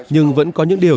nhưng vẫn có những điều